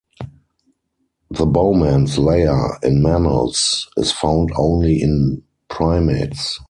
The Bowman's layer, in mammals, is found only in primates.